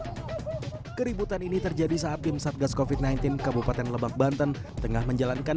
hai keributan ini terjadi saat tim satgas kofit sembilan belas kabupaten lebak banten tengah menjalankan